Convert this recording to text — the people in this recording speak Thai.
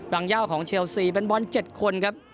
รั่งยาวของเชลซีแบนบอลแบนบอลเจ็ดคนครับ